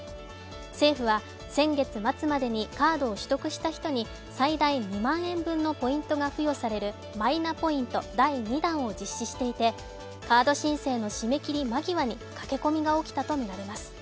政府は先月末までにカードを取得した人に最大２万円分のポイントが付与されるマイナポイント第２弾を実施していてカード申請の締め切り間際に駆け込みが起きたとみられます。